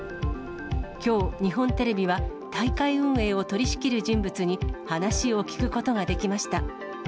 きょう、日本テレビは大会運営を取り仕切る人物に話を聞くことができました。